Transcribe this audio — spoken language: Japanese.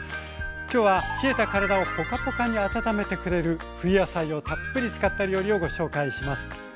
今日は冷えた体をポカポカに温めてくれる冬野菜をたっぷり使った料理をご紹介します。